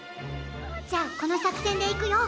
じゃあこのさくせんでいくよ！